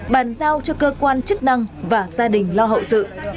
bàn giao cho cơ quan chức năng và gia đình lo hậu sự